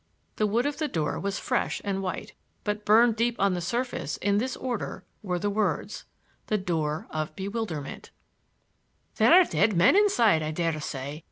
The wood of the door was fresh and white, but burned deep on the surface, in this order, were the words: THE DOOR OF BEWILDERMENT "There are dead men inside, I dare say!